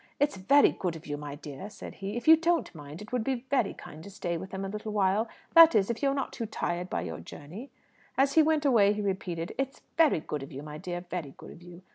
"It's very good of you, my dear," said he. "If you don't mind, it would be very kind to stay with them a little while; that is, if you are not too tired by your journey?" And as he went away, he repeated, "It's very good of you, my dear; very good of you!"